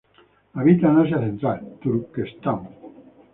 Habita en Asia Central: Turquestán.